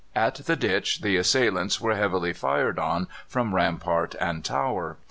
In the ditch the assailants were heavily fired on from rampart and tower.